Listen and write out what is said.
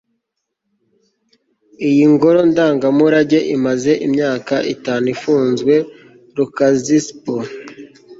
iyi ngoro ndangamurage imaze imyaka itanu ifunzwe. (lukaszpp